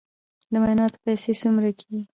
د معایناتو پیسې څومره کیږي؟